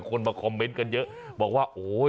คนมาคอมเมนต์กันเยอะบอกว่า